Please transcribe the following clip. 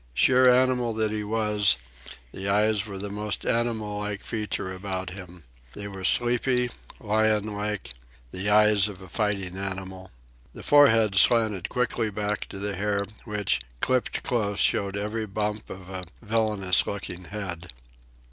Sheer animal that he was, the eyes were the most animal like feature about him. They were sleepy, lion like the eyes of a fighting animal. The forehead slanted quickly back to the hair, which, clipped close, showed every bump of a villainous looking head.